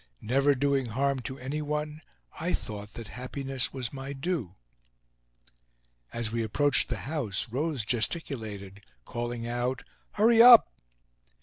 Never doing harm to any one, I thought that happiness was my due. As we approached the house, Rose gesticulated, calling out: "Hurry up!"